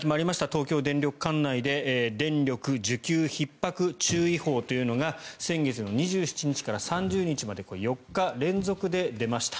東京電力管内で電力需給ひっ迫注意報というのが先月２７日から３０日まで４日連続で出ました。